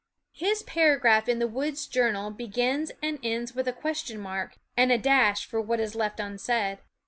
His paragraph in the woods' jour > nal begins and ends with a question mark, and a dash for what is left unsaid.